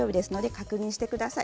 確認してください。